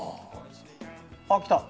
あっ来た。